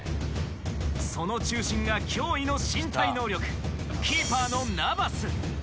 その中心が驚異の身体能力キーパーのナバス。